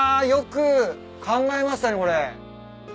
よく考えましたねこれ。